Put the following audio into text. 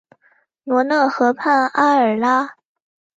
罗讷河畔阿尔拉。